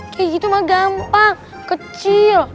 kayak gitu mah gampang kecil